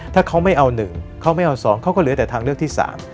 ถ้าเขาไม่เอา๑เขาไม่เอา๒เขาก็เหลือแต่ทางเลือกที่๓